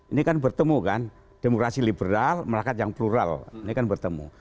ini kan bertemu kan demokrasi liberal merakat yang plural ini kan bertemu